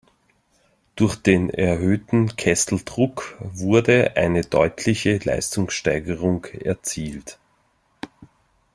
Durch den erhöhten Kesseldruck wurde eine deutliche Leistungssteigerung erzielt.